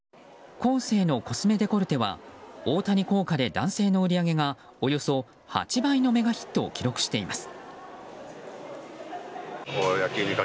コーセーのコスメデコルテは大谷効果で男性の売り上げがおよそ８倍のメガヒットを記録しています。